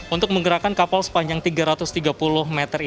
untuk menggerakkan kapal sepanjang tiga ratus tiga puluh meter